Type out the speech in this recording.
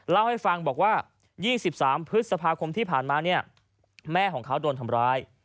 เล่าให้ฟังบอกว่า๒๓พฤษภาคมที่ผ่านมาเนี่ยแม่ของเขาโดนทำร้าย